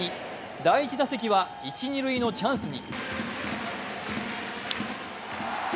第１打席は一・二塁のチャンスに。